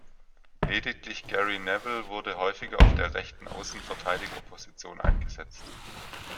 Lediglich Gary Neville wurde häufiger auf der rechten Außenverteidigerposition eingesetzt.